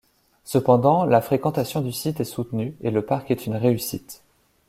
Cependant, la fréquentation du site est soutenue et le parc est une réussite.